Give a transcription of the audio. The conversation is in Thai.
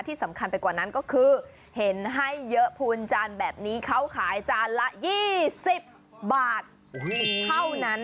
ที่สำคัญไปกว่านั้นก็คือเห็นให้เยอะพูนจานแบบนี้เขาขายจานละ๒๐บาทเท่านั้น